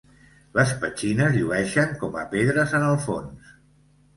Les petxines llueixen com a pedres en el fons.